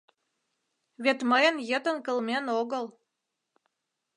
— Вет мыйын йытын кылмен огыл...